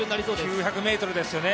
９００ｍですよね。